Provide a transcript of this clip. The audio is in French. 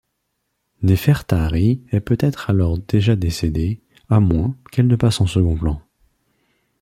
Néfertari est peut-être alors déjà décédée, à moins qu'elle ne passe en second plan.